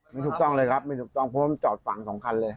ไม่ถูกต้องเลยครับไม่ถูกต้องเพราะว่ามันจอดฝั่งสองคันเลย